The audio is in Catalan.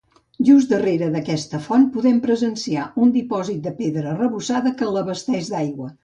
Just al darrere d'aquesta font podem presenciar un dipòsit de pedra arrebossada que l'abasteix d'aigua.